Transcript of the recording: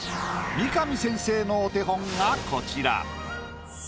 三上先生のお手本がこちら。